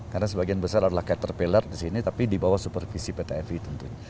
karena sebagian besar adalah kayak terpeler di sini tapi di bawah supervisi pt fi tentunya